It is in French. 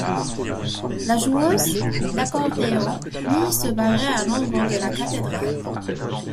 La joueuse d'accordéon nie se barrer à l'ombre de la cathédrale.